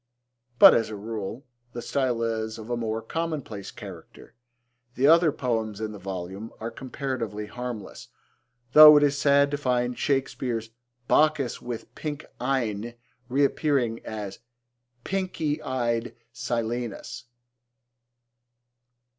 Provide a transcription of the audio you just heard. But, as a rule, the style is of a more commonplace character. The other poems in the volume are comparatively harmless, though it is sad to find Shakespeare's 'Bacchus with pink eyne' reappearing as 'pinky eyed Silenus.'